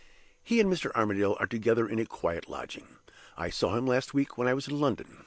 He and Mr. Armadale are together in a quiet lodging. I saw him last week when I was in London.